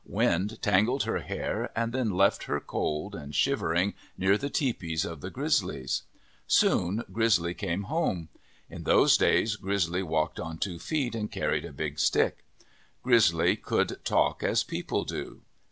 Wind tangled her hair and then left her cold and shivering near the tepees of the Grizzlies. Soon Grizzly came home. In those days Grizzly walked on two feet, and carried a big stick. Grizzly 35 MYTHS AND LEGENDS could talk as people do.